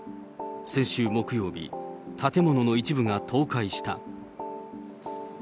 先週木曜日、建物の一部が倒壊した。